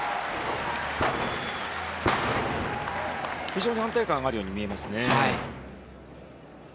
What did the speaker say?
非常に安定感があるように見えますね。